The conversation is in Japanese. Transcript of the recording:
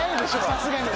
さすがに。